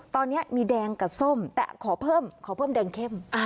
ตอนนี้มีแดงกับส้มแต่ขอเพิ่มขอเพิ่มแดงเข้ม